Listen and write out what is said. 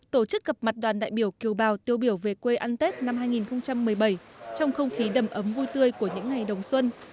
tổ chức gặp mặt đoàn đại biểu kiều bào tiêu biểu về quê ăn tết năm hai nghìn một mươi bảy trong không khí đầm ấm vui tươi của những ngày đầu xuân